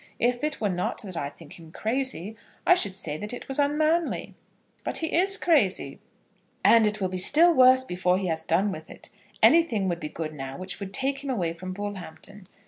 If it were not that I think him crazy, I should say that it was unmanly." "But he is crazy." "And will be still worse before he has done with it. Anything would be good now which would take him away from Bullhampton.